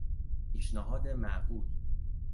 پیشنهاد معقول